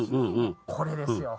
これですよ